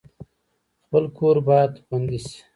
خپل کور باید خوندي شي